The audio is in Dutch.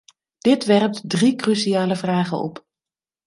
Dit werpt drie cruciale vragen op.